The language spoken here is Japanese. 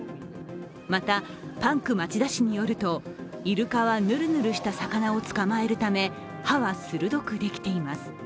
またパンク町田氏によるとイルカはヌルヌルした魚を捕まえるため歯は鋭くできています。